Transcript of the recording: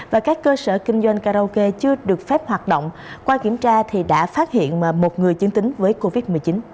và các cơ sở kinh doanh karaoke chưa được phép hoạt động qua kiểm tra thì đã phát hiện một người chứng tính với covid một mươi chín